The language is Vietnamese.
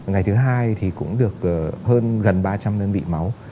ngày thứ hai thì cũng được hơn gần ba trăm linh đơn vị máu